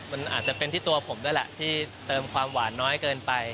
มันอาจจะเป็นที่ตัวผมด้วยแหละที่เติมความหวานน้อยเกินไป